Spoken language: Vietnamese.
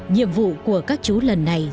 nhiệm vụ của các chú lần này